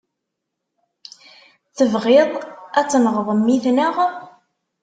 Tebɣiḍ a tenɣeḍ mmi-tneɣ?